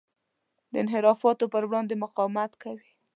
د انحرافاتو پر وړاندې مقاومت کوي.